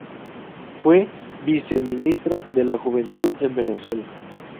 Fue viceministra de la juventud en Venezuela.